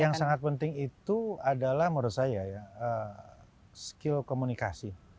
yang sangat penting itu adalah menurut saya ya skill komunikasi